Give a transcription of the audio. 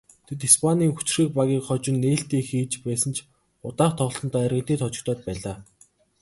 Тэд Испанийн хүчирхэг багийг хожин нээлтээ хийж байсан ч удаах тоглолтдоо Аргентинд хожигдоод байлаа.